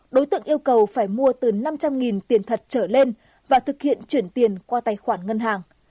đối tượng yêu cầu phải mua từ năm trăm linh tiền thật trở lên và thực hiện chuyển tiền qua tài khoản ngân hàng